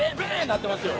なってますよ。